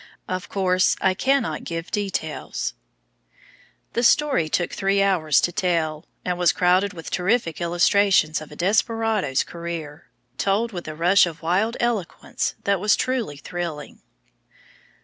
Of course I cannot give details. The story took three hours to tell, and was crowded with terrific illustrations of a desperado's career, told with a rush of wild eloquence that was truly thrilling.